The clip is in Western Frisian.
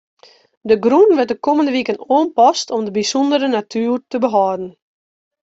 De grûn wurdt de kommende wiken oanpast om de bysûndere natoer te behâlden.